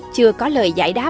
chưa có lời giải đáp